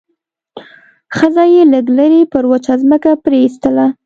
ښځه يې لږ لرې پر وچه ځمکه پرېيستله.